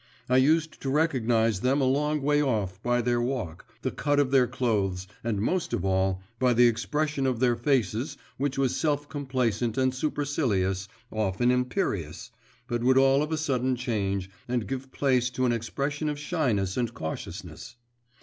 I used to recognise them a long way off by their walk, the cut of their clothes, and, most of all, by the expression of their faces which was self complacent and supercilious, often imperious, but would all of a sudden change, and give place to an expression of shyness and cautiousness.